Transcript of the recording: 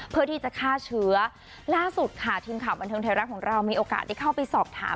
เพื่อที่จะฆ่าเชื้อล่าสุดค่ะทีมข่าวบันเทิงไทยรัฐของเรามีโอกาสได้เข้าไปสอบถาม